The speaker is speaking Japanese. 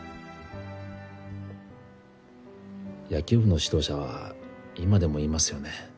野球部の指導者は今でも言いますよね